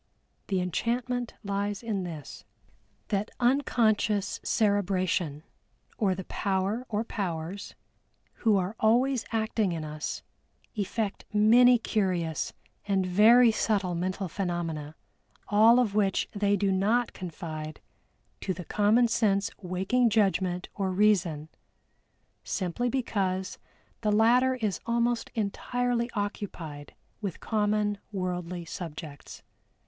The enchantment lies in this, that unconscious cerebration, or the power (or powers), who are always acting in us, effect many curious and very subtle mental phenomena, all of which they do not confide to the common sense waking judgment or Reason, simply because the latter is almost entirely occupied with common worldly subjects.